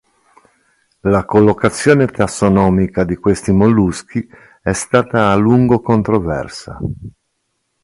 La collocazione tassonomica di questi molluschi è stata a lungo controversa.